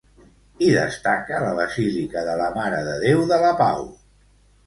Hi destaca la basílica de la Mare de Déu de la Pau.